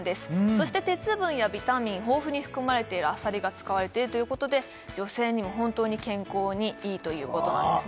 そして鉄分やビタミン豊富に含まれているあさりが使われているということで女性にも本当に健康にいいということなんですね